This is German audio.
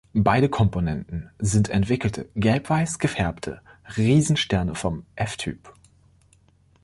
Beide Komponenten sind entwickelte, gelb-weiß gefärbte, Riesensterne vom F-Typ.